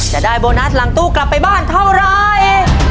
จะได้โบนัสหลังตู้กลับไปบ้านเท่าไร